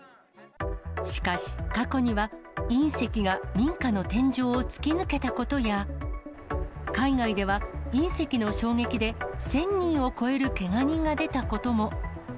しかし、過去には隕石が民家の天井を突き抜けたことや、海外では隕石の衝撃で、１０００人を超えるけが人が出たことも。